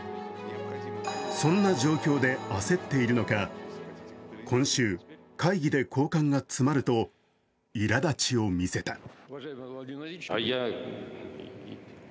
そんな状況で焦っているのか、今週会議で高官が詰まるといら立ちを見せた。